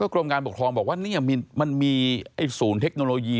กรมการปกครองบอกว่านี่มันมีศูนย์เทคโนโลยี